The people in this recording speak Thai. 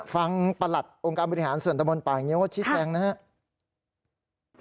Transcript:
ฟังประหลัดองค์การบริหารส่วนตะบนป่าอย่างนี้ก็ชิดแซงนะครับ